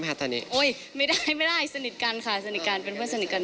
เอาไปถามอลิสก์อีกทีค่ะ